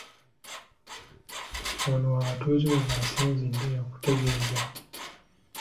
Wano abatuuze we basinzidde okutegeeza.